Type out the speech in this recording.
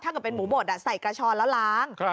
กับเป็นหมูบดใส่กระชอนแล้วล้าง